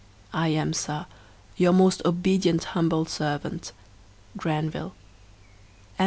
I am, Sir, Your most obedient humble servant, GRANVILLE GLOSSARY.